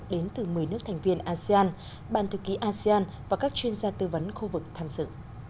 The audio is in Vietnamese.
đến từ một mươi nước thành viên asean bàn thư ký asean và các chuyên gia tư vấn khu vực tham dự